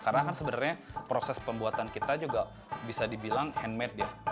karena kan sebenarnya proses pembuatan kita juga bisa dibilang handmade ya